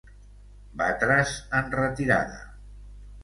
Batre's en retirada.